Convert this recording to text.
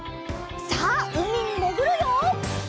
さあうみにもぐるよ！